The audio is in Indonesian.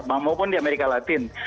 maupun di amerika latin